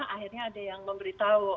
akhirnya ada yang memberitahu